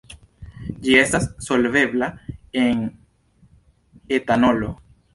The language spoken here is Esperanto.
Ĝi estas solvebla en etanolo kaj ne solvebla en akvo.